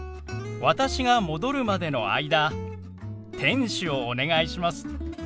私が戻るまでの間店主をお願いします。